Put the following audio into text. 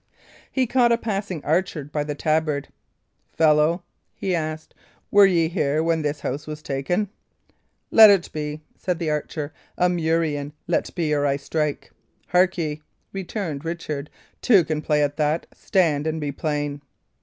He caught a passing archer by the tabard. "Fellow," he asked, "were ye here when this house was taken?" "Let be," said the archer. "A murrain! let be, or I strike." "Hark ye," returned Richard, "two can play at that. Stand and be plain."